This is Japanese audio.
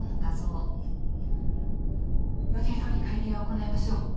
予定どおり会見は行いましょう。